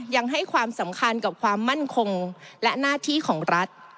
ยังให้ความสำคัญกับความมั่นคงและหน้าที่ของรัฐ